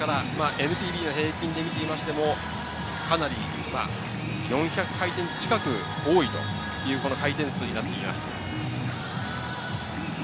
ＮＰＢの平均で見ても、４００回転近く多いという回転数になっています。